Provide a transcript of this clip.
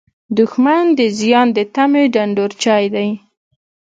دښمن د زیان د تمې ډنډورچی دی